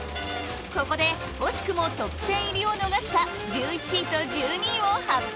ここで惜しくもトップ１０入りを逃した１１位と１２位を発表